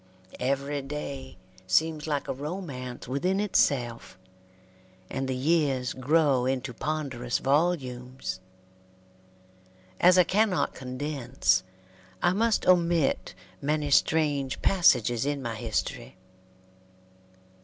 Every day seems like a romance within itself, and the years grow into ponderous volumes. As I cannot condense, I must omit many strange passages in my history.